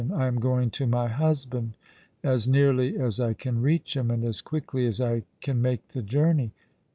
I am going to my husband; as nearly as I can reach him; and as quickly as I can make the journey."